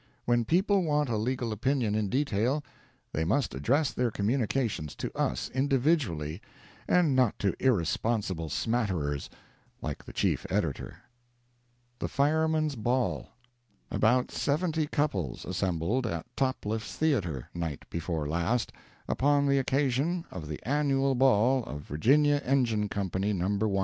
When people want a legal opinion in detail, they must address their communications to us, individually, and not to irresponsible smatterers, like the chief editor. THE FIREMEN'S BALL.—About seventy couples assembled at Topliffe's Theatre night before last, upon the occasion of the annual ball of Virginia Engine Company No. 1.